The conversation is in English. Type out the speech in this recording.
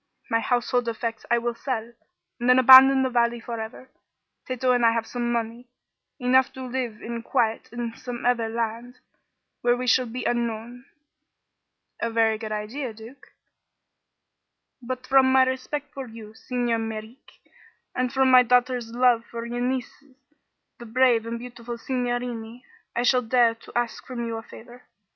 My household effects I will sell, and then abandon the valley forever. Tato and I have some money, enough to live in quiet in some other land, where we shall be unknown." "A very good idea, Duke." "But from my respect for you, Signer Merreek, and from my daughter's love for your nieces the brave and beautiful signorini I shall dare to ask from you a favor.